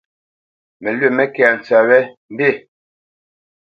Mǝlwǐ mé kɛ́ tsǝ́tʼ wǝ́, mbí.